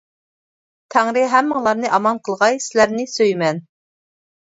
تەڭرى ھەممىڭلارنى ئامان قىلغاي، سىلەرنى سۆيىمەن!